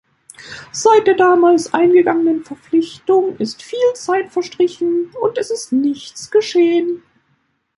Seit der damals eingegangenen Verpflichtung ist viel Zeit verstrichen, und es ist nichts geschehen.